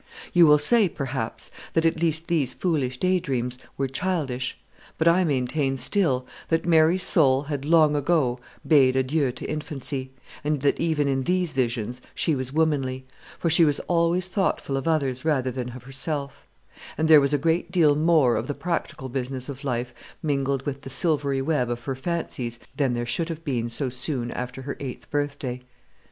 You will say, perhaps, that at least these foolish day dreams were childish; but I maintain still, that Mary's soul had long ago bade adieu to infancy, and that even in these visions she was womanly; for she was always thoughtful of others rather than of herself, and there was a great deal more of the practical business of life mingled with the silvery web of her fancies than there should have been so soon after her eighth birthday.